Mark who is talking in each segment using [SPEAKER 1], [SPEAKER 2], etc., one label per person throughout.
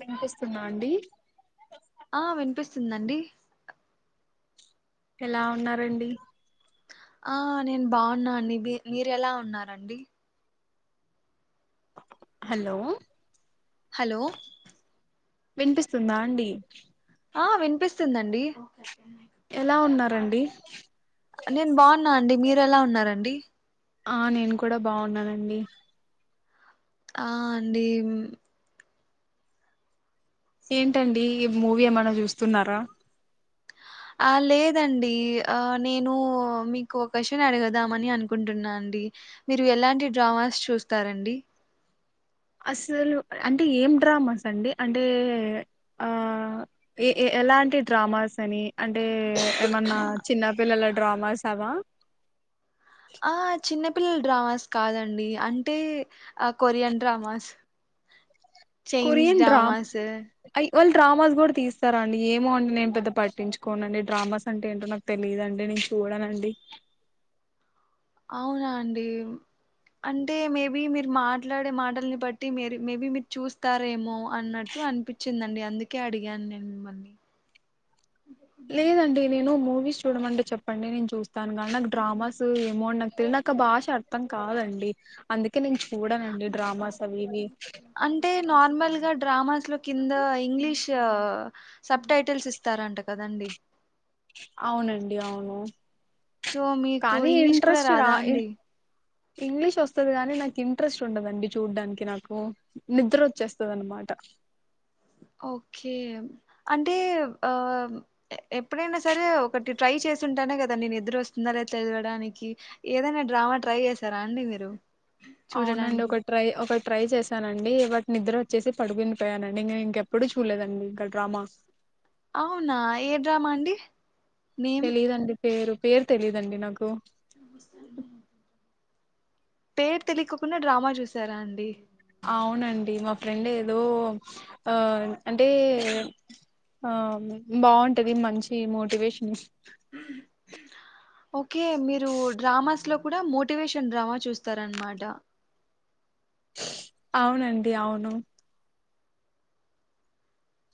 [SPEAKER 1] వినిపిస్తున్నా అండి
[SPEAKER 2] ఆ వినిపిస్తుందండి
[SPEAKER 1] ఎలా ఉన్నారండి
[SPEAKER 2] ఆ నేను బాగున్నాండి మీ మీరు ఎలా ఉన్నండి
[SPEAKER 1] హలో
[SPEAKER 2] హలో
[SPEAKER 1] వినిపిస్తుందా అండి
[SPEAKER 2] ఆ వినిపిస్తుందండి
[SPEAKER 1] ఎలా ఉన్నారండి
[SPEAKER 2] నేను బాగున్నా అండి మీరు ఎలా ఉన్నారండి
[SPEAKER 1] ఆ నేను కూడా బాగున్నానండి
[SPEAKER 2] ఆ అండి
[SPEAKER 1] ఏంటండి ఈ మూవీ ఏమనా చూస్తున్నారా
[SPEAKER 2] ఆ లేదండి ఆ నేను మీకు ఒక విషయం అడగదామని అనుకుంటున్నా అండి మీరు ఎలాంటి డ్రామాస్ చూస్తారండి
[SPEAKER 1] అసలు అంటే ఏం డ్రామాస్ అండి అంటే ఏ ఎలాంటి డ్రామాస్ అని అంటే ఏమన్నా చిన్నపిల్లల డ్రామాస్ అవా
[SPEAKER 2] ఆ చిన్న పిల్ డ్రామాస్ కాదండి అంటే కొరియన్ డ్రామాస్ చైైనీస్ డమాస్
[SPEAKER 1] వావాళ్ళు డ్రామాస్ కూడా తీస్తారా అండి ఏమో అంటే నేను పెద్ద పట్టించుకోనండి డ్రామాస్ అంటే ఏంటో నాకు తెలియదుండి నేను చూడనండి
[SPEAKER 2] అవునా అండి అంటే మేబీ మీరు మాట్లాడే మాటల్ని బట్టి మే మేబీ మీరు చూస్తారేమో అన్నట్టు అనిపించిందండి అందుకే అడిగాను నేను మిమ్మల్ని
[SPEAKER 1] లేదండి నేను మూవీస్ చూడమంటే చెప్పండి నేను చూస్తాను కానీ నాకు డ్రామాస్ ఏమో అని నాకు తెలిదు నాకు ఆ భాష అర్థం కాదండి అందుకే నేను చూడనండి డ్రామాస్ అవి ఇవి
[SPEAKER 2] అంటే నార్మల్గా డ్రామాస్ లో కింద ఇంగ్లీష్ సబ్ టైటిల్స్ ఇస్తారంట కదండి
[SPEAKER 1] అవునండి అవును
[SPEAKER 2] సో మీకు
[SPEAKER 1] కానీ
[SPEAKER 2] ఇంగ్లీష్ కూడా
[SPEAKER 1] ఇంట్రెస్ట్ రా
[SPEAKER 2] రాదా అండి
[SPEAKER 1] ఇంగ్లీష్ వస్తుది కాగానీ నాకు ఇంట్రెస్ట్ ఉండదండి చూడ్డానికి నాకు నిద్ర వచ్చేస్తుంది అన్నమాట
[SPEAKER 2] ఓకే అంటే ఎప్పుడైనా సరే ఒకటి ట్రై చేసింటానే కదా నేను ఎదురు వస్తుంద తెలియడానికి ఏదైనా డ్రామా ట్రై చేసారా అండి మీరు
[SPEAKER 1] అవునండి
[SPEAKER 2] చూడడానికి
[SPEAKER 1] ఒక ట్రై ఒక ట్రై చేశానండి వాట్ నిద్ర వచ్చేసి పడుకుని పోయానండి ఇం ఇంకెప్పుడుూ చూడలేదండి ఇంకా డ్రామా
[SPEAKER 2] అవునా ఏడ్రామా అండి నేమ్
[SPEAKER 1] తెలిదండి పేరు పేరు తెలిదండి నాకు
[SPEAKER 2] నమస్త పేరు తెలికకుండా డ్రామా చూసారా అండి
[SPEAKER 1] అవునండి మా ఫ్రెండ్ ఏదో ఆ అంటే ఆ బాగుంటది మంచి మోటివేషన్
[SPEAKER 2] [inaudible] ఓకే మీరు డ్రామాస్ లో కూడా మోటివేషన్ డ్రామా చూస్తారనమాట
[SPEAKER 1] అవునండి అవును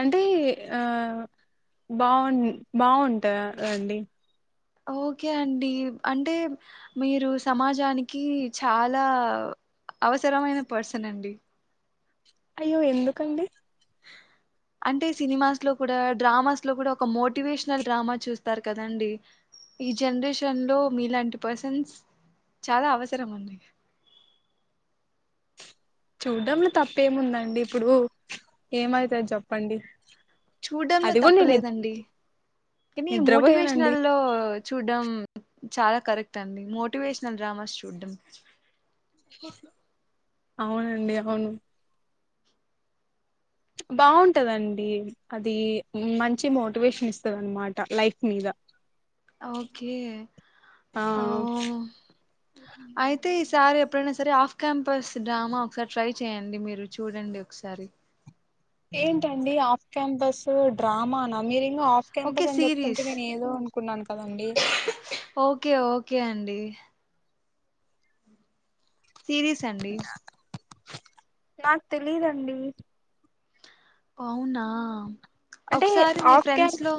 [SPEAKER 1] అంటే ఆ బాగు బాగుంట అండి
[SPEAKER 2] ఓకే అండి అంటే మీరు సమాజానికి చాలా అవసరమైన పర్సన్ అండి
[SPEAKER 1] అయ్యో ఎందుకండి
[SPEAKER 2] అంటే సినిమాస్ లో కూడా డ్రామాస్లో కూడా ఒక మోటివేషనల్ డ్రామా చూస్తారు కదండి ఈ జనరేషన్ లో మీలాంటి పర్సన్స్ చాలా అవసరం అంయి
[SPEAKER 1] చూడ్డంలో తప్పేముందండి ఇప్పుడు ఏమైత చెప్పండి
[SPEAKER 2] చూడడంలో
[SPEAKER 1] అది కూడా నేను నిద్
[SPEAKER 2] తప్పులేదండి కానీ మోటివేషన
[SPEAKER 1] నిద్రపోయానండి
[SPEAKER 2] లో చూడ్డం చాలా కరెక్ట్ అండి మోటివేషనల్ డ్రామాస్ చూడ్డం
[SPEAKER 1] అవునండి అవును బాగుంటదండి అది మంచి మోటివేషన్ ఇస్తుంది అనమాట లైఫ్ మీద
[SPEAKER 2] ఓకే ఆ అయితే సారి ఎప్పుడైనా సరే ఆఫ్ క్యాంపస్ డ్రామా ఒకసారి ట్రై చేయండి మీరు చూడండి ఒకసారి
[SPEAKER 1] ఏంటండి ఆఫ్ క్యాంపస్ డ్రామానా మీరి ఇ ఆఫ్
[SPEAKER 2] ఓకే
[SPEAKER 1] క్యాంపస్ అని చెప్తుంటే
[SPEAKER 2] సిరీస్
[SPEAKER 1] నేను ఏదో అనుకున్నాను కదండి
[SPEAKER 2] అ సిీరీస్ అండి
[SPEAKER 1] నాకు తెలిదండి
[SPEAKER 2] అవునా
[SPEAKER 1] అంటే
[SPEAKER 2] ఒకసారి మీ
[SPEAKER 1] ఆఫ్ క్యాం
[SPEAKER 2] ఫ్రెండ్స్ లో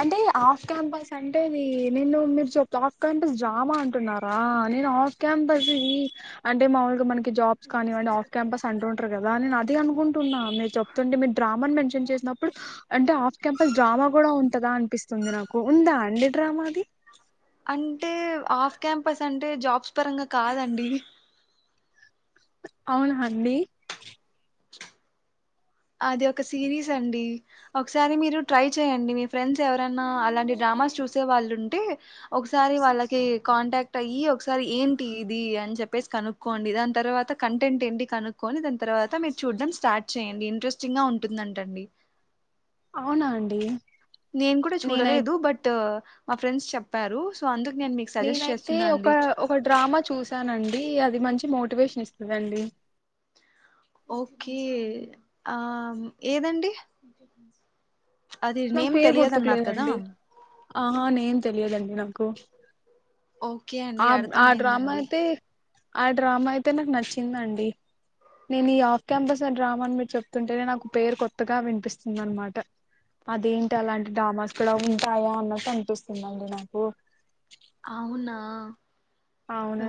[SPEAKER 1] అంటే ఆఫ్ క్యాంపస్ అంటేది నేను మీరు చెప్ ఆఫ్ క్యాంపస్ డ్రామా అంటున్నారా నేను ఆఫ్ క్యాంపస్ ఇ అంటే మామలుగా మనకి జాబ్స్ కానివండి ఆఫ్ క్యాంపస్ అంట కదా నేను అదిే అనుకుంటున్నా మీరు చెప్తుే మీ డ్రామా మెన్షన్ చేసినప్పుడు అంటే హాఫ్ క్యాంపస్ డ్రామా కూడా ఉ పట్టదా అనిపిస్తుంది నాకు ఉందా అండడి డ్రామాది
[SPEAKER 2] అని ఆఫ్ క్యాంపస్ అంట అంటే జాబ్స్ పరంగా కాదండి
[SPEAKER 1] అవును హడి
[SPEAKER 2] అది ఒక సిరీస్ అండి ఒకసారి మీరు ట్రై చేయండి మీ ఫ్రెండ్స్ ఎవరనా అలాంటి డ్రామాస్ చూసే వాళ్ళు ఉంటే ఒకసారి వాళ్ళకి కాంటాక్ట్ అయ్యి ఒకసారి ఏంటి ఇది అని చెప్పేసి కనుక్కోండి దాని తర్వాత కంటెంట్ ఏంటి కనుక్కొని దాని తర్వాత మీరు చూడ్డం స్టార్ట్ చేయండి ఇంట్రెస్టింగ్ గా ఉంటుందంటండి
[SPEAKER 1] అవునా అండి
[SPEAKER 2] నేను కూడా
[SPEAKER 1] నేనై
[SPEAKER 2] చూడలేదు బట్ మా ఫ్రెండ్స్ చెప్పారు సో అందు
[SPEAKER 1] నేనైతే ఒక ఒక డ్రామా చూసానండి అది మంచి మోటివేషన్ ఇస్తుదండి
[SPEAKER 2] ఓకే ఆ ఏదండి అది
[SPEAKER 1] నాకు
[SPEAKER 2] నేమ్
[SPEAKER 1] పేరు
[SPEAKER 2] తెలియదు అన్నారు కదా
[SPEAKER 1] గుర్తుకులేదండి ఆహా నేం తెలియదండి నాకు
[SPEAKER 2] ఓకే అండి
[SPEAKER 1] ఆ
[SPEAKER 2] అర్థం
[SPEAKER 1] ఆ డ్రామా
[SPEAKER 2] అయిందండి
[SPEAKER 1] అయితే ఆ డ్రామా అయితే నాకు నచ్చిందండి నేను ఈ ఆఫ్ క్యాంపస్ ఆ డ్రామాని మీరు చెప్తుంటేనే నాకు పేరు కొత్తగా వినిపిస్తుంది అనమాట అదేంటి అలాంటి డ్రామాస్ కూడా ఉంటాయా అన్నట్ అనిపిస్తుందండి నాకు
[SPEAKER 2] అవునా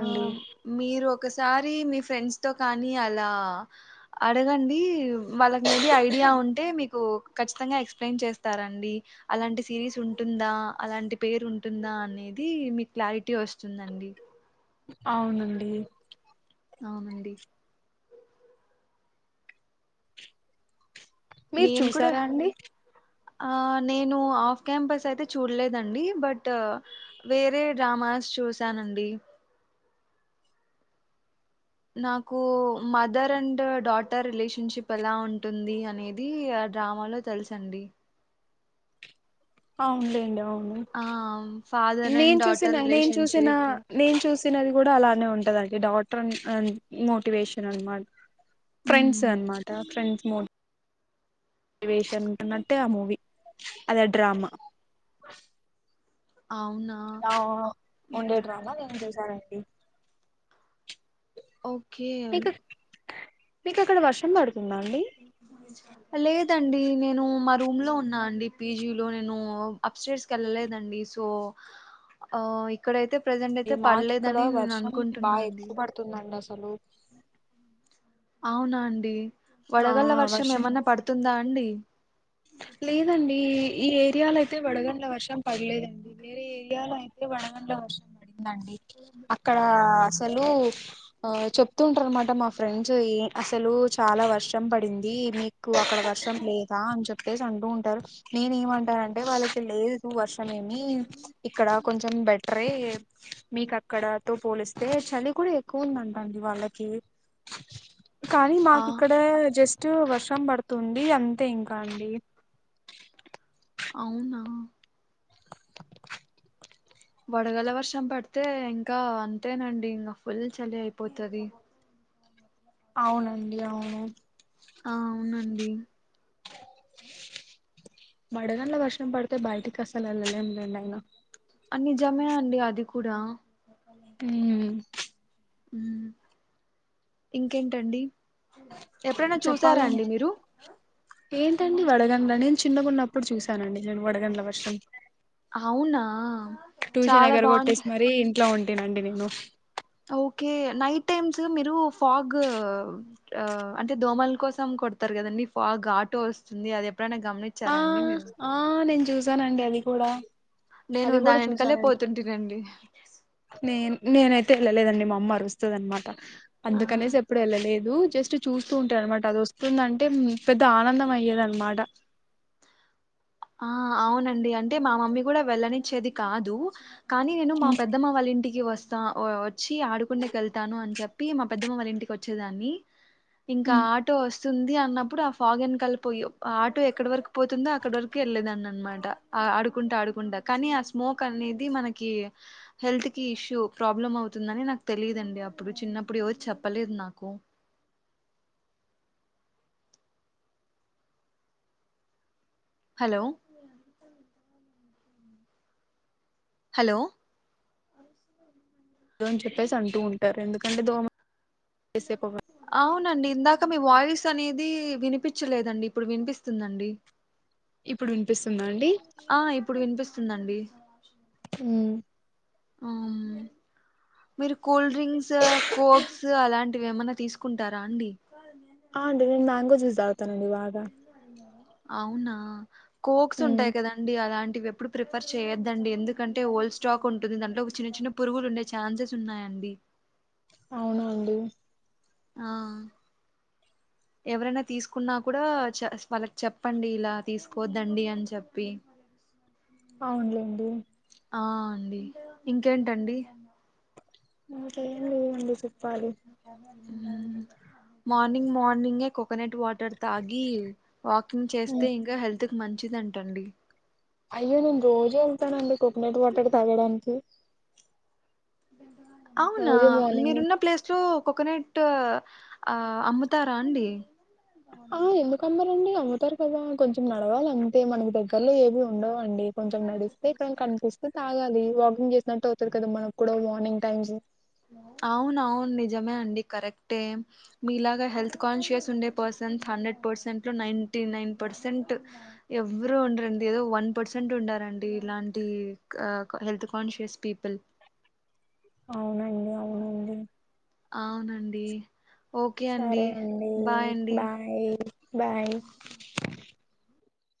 [SPEAKER 2] ఆ మీరు ఒక ఒకసారి మీ ఫ్రెండ్స్ తో కానీ అలా అడగండి వాళ్ళకి మే బి ఐడియా ఉంటే మీకు ఖచ్చితంగా ఎక్స్ప్లెయిన్ చేస్తారండి అలాంటి సిరీస్ ఉంటుందా అలాంటి పేరు ఉంటుందా అనేది ఇది మీకు క్లారిటీ వస్తుందండి
[SPEAKER 1] అవునండి
[SPEAKER 2] అవునండి
[SPEAKER 1] మీరు
[SPEAKER 2] నేను కూడా
[SPEAKER 1] చూసారా అండి
[SPEAKER 2] ఆ నేను ఆఫ్ క్యాంపస్ అయితే చూడలేదండి బట్ వేరే డ్రామాస్ చూసానండి నాకు మదర్ అండ్ డాటర్ రిలేషన్షిప్ ఎలా ఉంటుంది అనేది ఆ డ్రామాలో తెలుసండి
[SPEAKER 1] అవునులేండి అవును
[SPEAKER 2] ఆ ఫాదర్ అండ్
[SPEAKER 1] నేను
[SPEAKER 2] డాటర్
[SPEAKER 1] చూసిన నేను చూసిన
[SPEAKER 2] రిలేషన్షిప్
[SPEAKER 1] నేను చూసినది కూడా అలానే ఉంటదండి డాట్ మోటివేషన్ అన్మా ఫ్రెండ్స్
[SPEAKER 2] ఉమ్
[SPEAKER 1] అనమాట ఫ్రెండ్స్ మోడ్ వేషన్న్నట్టే ఆ మూవి అదే డ్రామా
[SPEAKER 2] అవునా
[SPEAKER 1] ఆ ఉండే
[SPEAKER 2] ఉమ్,
[SPEAKER 1] డ్రామ నేం జ జటి [unintelligible]
[SPEAKER 2] ఓకే
[SPEAKER 1] మీకక్కడ వర్షం పడు
[SPEAKER 2] అలా [unintelligible] ండి నేను మా రూమ్ లో ఉన్నా అండి పీజీ లో నేను అప్స్టైర్స్ కి వెళ్ళలేదండి సో ఇక్కడైతే ప్రజెంట్
[SPEAKER 1] ఈ
[SPEAKER 2] అయితే
[SPEAKER 1] మాకు ఇక్కడ
[SPEAKER 2] పడలేదని నేను
[SPEAKER 1] వర్షం
[SPEAKER 2] అనుకుంటున్నా
[SPEAKER 1] బాగా
[SPEAKER 2] అండి
[SPEAKER 1] ఎక్కువ పడుతుందండి అసలు చలం [unintelligible]
[SPEAKER 2] అవునా అండి వడగల్ల వర్షం ఏమన్నా పడుతుందా అండి
[SPEAKER 1] లేదండి ఈ ఏరియాలో అయితే వడగండ్ల వర్షం పడలేదండి వేరే ఏరియాలొ ఓన్లీ వడగండ్ల వర్షం పడింది ఉందండి అక్కడ అసలు ఆ చెప్తుంటారనమాట మా ఫ్రెండ్స్ ఏ అసలు చాలా వర్షం పడింది ఇది మీకు అక్కడ వర్షం లేదా అని చెప్ అనేసి అంటూ ఉంటారు నేను ఏంట అంటే వాళ్ళకి లేదు వర్షం ఏమి ఇక్కడ కొంచెం బెటరే మీక అక్కడతో పోలిస్తే చలి కూడా ఎక్కువ ఉందంట వాళ్ళకి కానీ
[SPEAKER 2] ఆ
[SPEAKER 1] మాకి ఇక్కడ జస్ట్ ట్ వర్షం పడుతుంది అంతే ఇంకా అండి అ
[SPEAKER 2] అవునా వడగల వర్షం పడితే ఇంకా అంతేనండి ఇంకా ఫుల్ చలి అయిపోతుది
[SPEAKER 1] అవునండి అవును
[SPEAKER 2] ఆ అవునండి
[SPEAKER 1] వడగన్ల వర్షం పడితే బయటికి అసలు వెళ్ళలేం రండి అయినా
[SPEAKER 2] నిజమే అండి అది కూడా ఇంకేంటండి ఎప్పుడైనా
[SPEAKER 1] చెప్పాలం
[SPEAKER 2] చూసారాండి మీరు
[SPEAKER 1] ఏంటండి వడగంల నేను చిన్నగాన్నప్పుడు చూసానండి నేను వడగంల వర్షం
[SPEAKER 2] అవునా
[SPEAKER 1] ట్యూషన్
[SPEAKER 2] చాలా
[SPEAKER 1] ఎగ్గర
[SPEAKER 2] బాగుంటా
[SPEAKER 1] కొట్టేసి మరి ఇంట్లో ఉంట అండి నేను
[SPEAKER 2] ఓకే నైట్ టైమ్స్ మీరు ఫాగ్ అంటే దోమలు కోసం కొడతారు కదండి ఫాగ్ ఆటో వస్తుంది అదే ఎప్పుడైనా
[SPEAKER 1] ఆ
[SPEAKER 2] గమనించారా అండి మీరు
[SPEAKER 1] ఆ నేను చూసానండి అది కూడా
[SPEAKER 2] నేను
[SPEAKER 1] అది
[SPEAKER 2] దాని వెనకలే పోతుంటానండి
[SPEAKER 1] నే నేనైతే వెళ్ళలేదండి మా అమ్మా అరుస్తుంది అనమాట
[SPEAKER 2] ఆ
[SPEAKER 1] అందుకనేసి ఎప్పుడు వెళ్ళలేదు జస్ట్ చూస్తూ ఉంటారు అనమాట అది వస్తు ఎప్పుడుందంటే పెద్ద ఆనందం అయ్యేదన్నమాట
[SPEAKER 2] ఆ అవునండి అంటే మా మమ్మీ కూడా వెళ్లనిచ్చేది కాదు కానీ నేను మా పెద్దమ్మ వాళ్ళ ఇంటికి వస్తా స్త ఓ వచ్చి ఆడుకుండేకి వెళ్తాను అని చెప్ప ి మా పెద్దమ్మ వాళ్ళ ఇంటికి వచ్చేదాన్ని ఇంకా ఆటో వస్త ఉంది అన్నప్పుడు ఆ ఫాగ్ ఎన్ కలిపోయి ఆటో ఎక్కడ వరకు పోతుందో అక్కడ వరకు వెళ్ళలేదండి అనమాట ఆ ఆడుకుంటా ఆడుకుంటా కానీ ఆ స్మోక్ అనేది మనకి హెల్త్ కి ఇష్యూ ప్రాబ్లం అవుతుందిని నాకు తెలిదుండి అప్పుడు చిన్నప్పుడు ఎవరుు చెప్పలేదు నాకు హలో హలో
[SPEAKER 1] దో అని చెప్పేసి అంటూ ఉంటారు ఎందుకంటే దోమ, వేసే పొగ
[SPEAKER 2] అవునండి, ఇంకా మీ వాయిస్ అనేది. వినిపించలేదండి ఇప్పుడు వినిపిస్తుందండి,
[SPEAKER 1] ఇప్పుడు వినిపిస్తుందా అండి,
[SPEAKER 2] వస్తుందండి,
[SPEAKER 1] హు
[SPEAKER 2] మీరు కూల్డ్రింక్స్ కోక్స్ అలాంటివి. ఏమన్నా తీసుకుంటారా అండి,
[SPEAKER 1] ఆ అండి నేను మ్యాంగో జూస్ ఆగుతానండి బగా,
[SPEAKER 2] అవునా కోక్స్
[SPEAKER 1] మ్మ్
[SPEAKER 2] ఉంటాయి కదండడి అలాంటి, ఇ ఎప్పుడు ప్రిఫర్ చేయొద్దండి. ఎందుకంటే ఓల్డ్ స్టాక్ ఉంటుంది. దాంట్లో ఒక చిన్న చిన్న పురుగులు ఉండే. ఛాన్సెస్ ఉన్నాయండి,
[SPEAKER 1] అవును అండి,
[SPEAKER 2] ఆ ఎవరైనా తీసుకున్నా. కూడా చ వాళ్ళకి చెప్పండి ఇలా తీసుకోద్దండి అని చెప్పి,
[SPEAKER 1] అవునులేండి,
[SPEAKER 2] ఆ అండి ఇంకేంటండి,
[SPEAKER 1] ఇంకా ఏం లేవండి చేప్పాలి,
[SPEAKER 2] మార్నింగ్ మార్నింగ్ కోకనట్ వాట్, తాగి వాకింగ్ చేస్తే ఇంకా హెల్త్, మంచిదంట అండి
[SPEAKER 1] అయ్యో నేను రోజే వెళ్తానండి. కోకోనట్ వాటర్ తాగడానికి,
[SPEAKER 2] అవునా
[SPEAKER 1] రోజు మార్నింగ్
[SPEAKER 2] మీరున్న ప్లేసు, కొకోనట్ ఆ అమ్ముతారా అండి,
[SPEAKER 1] ఆ ఎందుకు అమ్మరండి అ, తారు కదా కొంచెం నడవాలి. అంతే మనకి దగ్గరలో ఏవి, ఉండవండి కొంచెం నడిస్తే ఇక్కడ కనిపిస్తే తాగాలి, వాకింగ్ చేసినట్టు అవుతాది కదా. మనకు కూడా మార్నింగ్ టైమ్స్,
[SPEAKER 2] అవును అవును నిజమే అండి. కరెక్టే మీలాగా హెల్త్ కాన్షియస్ ఉండే పర్సన్స్. హండ్రెడ్ పర్సెంట్ లో నైటి నైన్ పర్సెంట్ ఎవరుూ ఉండరండి. ఏదో వన్ పర్సెంట్ ఉంటరండి ఇలాంటి హెల్త్ కాన్షియస్ పీపుల్,
[SPEAKER 1] అవునండి
[SPEAKER 2] అఓ
[SPEAKER 1] అవునండి
[SPEAKER 2] అవున అండి,
[SPEAKER 1] సరే అండి
[SPEAKER 2] బాయ్ అండి
[SPEAKER 1] బాయ్ బాయ్,